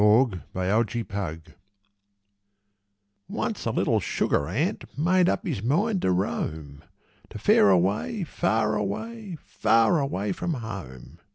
Y Z The Ant Explorer ONCE a little sugar ant made up his mind to roam To fare away far away, far away from home.